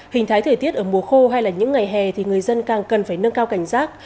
hình thái thời tiết ở mùa khô hay là những ngày hè thì người dân càng cần phải nâng cao cảnh giác